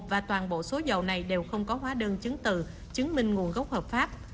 và toàn bộ số dầu này đều không có hóa đơn chứng từ chứng minh nguồn gốc hợp pháp